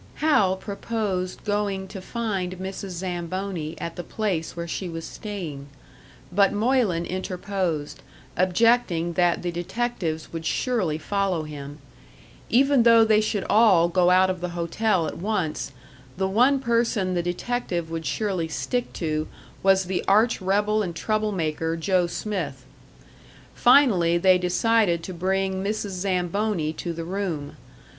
Hal proposed going to find Mrs. Zamboni at the place where she was staying; but Moylan interposed, objecting that the detectives would surely follow him. Even though they should all go out of the hotel at once, the one person the detective would surely stick to was the arch rebel and trouble maker, Joe Smith. Finally they decided to bring Mrs. Zamboni to the room.